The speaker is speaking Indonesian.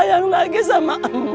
kamu belajar kalau kamu ada di rumah